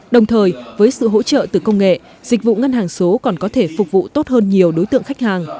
đồng thời với sự hỗ trợ từ công nghệ dịch vụ ngân hàng số còn có thể phục vụ tốt hơn nhiều đối tượng khách hàng